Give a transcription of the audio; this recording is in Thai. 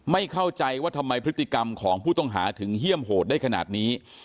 ไม่เข้าใจว่าทำไมพฤติกรรมของผู้ต้องหาถึงเยี่ยมโหดได้ขนาดนี้